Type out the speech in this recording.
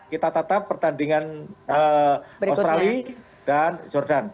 kita tetap pertandingan australia dan jordan